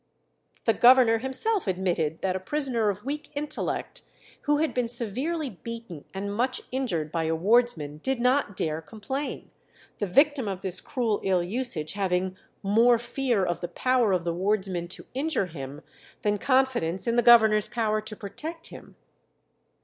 The governor himself admitted that a prisoner of weak intellect who had been severely beaten and much injured by a wardsman did not dare complain, the victim of this cruel ill usage having "more fear of the power of the wardsman to injure him, than confidence in the governor's power to protect him."